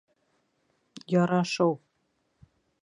— Ярашыу!